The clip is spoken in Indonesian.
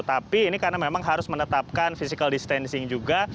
tapi ini karena memang harus menetapkan physical distancing juga